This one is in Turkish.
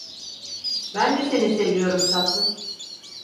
Ben de seni seviyorum tatlım.